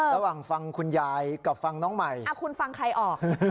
ระหว่างฟังคุณยายกับฟังน้องใหม่คุณฟังใครออก